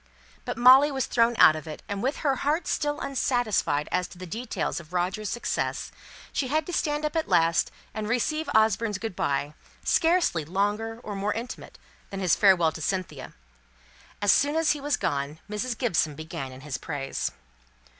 But Molly was thrown out of it; and with her heart still unsatisfied as to the details of Roger's success, she had to stand up at last, and receive Osborne's good by, scarcely longer or more intimate than his farewell to Cynthia. As soon as he was gone, Mrs. Gibson began in his praise.